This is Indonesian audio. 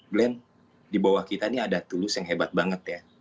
glenn di bawah kita ini ada tulus yang hebat banget ya